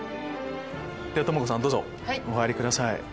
智子さんどうぞお入りください。